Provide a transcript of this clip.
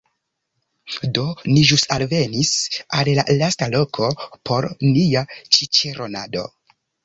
Do, ni ĵus alvenis al la lasta loko por nia ĉiĉeronado